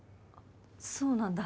そうなんだ。